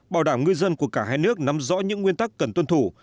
bảo đảm ngư dân của cả hai nước nắm rõ những nguyên tắc cần tuân thủ